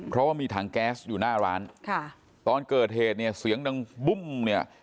เพราะว่ามีถังแก๊สอยู่หน้าร้านค่ะตอนเกิดเหตุเนี่ยเสียงดังบุ้มเนี่ย